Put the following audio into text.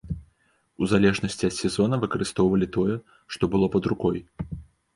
У залежнасці ад сезона выкарыстоўвалі тое, што было пад рукой.